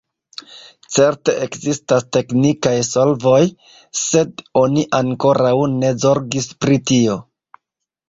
Certe ekzistas teknikaj solvoj, sed oni ankoraŭ ne zorgis pri tio.